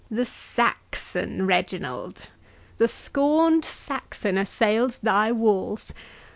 —The Saxon, Reginald!—the scorned Saxon assails thy walls!